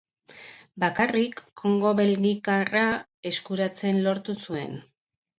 Bakarrik Kongo Belgikarra eskuratzea lortu zuen.